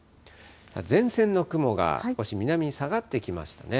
前線の雲が少し南に下がってきましたね。